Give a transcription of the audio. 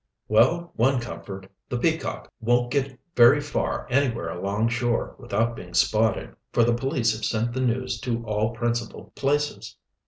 "Well, one comfort, the Peacock won't get very far anywhere along shore without being spotted, for the police have sent the news to all principal places."